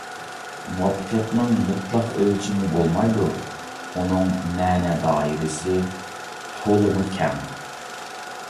مۇۋەپپەقىيەتنىڭ مۇتلەق ئۆلچىمى بولمايدۇ، ئۇنىڭ مەنە دائىرىسى تولىمۇ كەڭ.